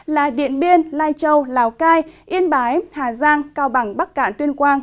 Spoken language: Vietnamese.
là điện biên lai châu lào cai yên bái hà giang cao bằng bắc cạn tuyên quang